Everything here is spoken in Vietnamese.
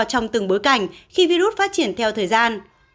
trong từng bối cảnh khi virus phát triển theo thời gian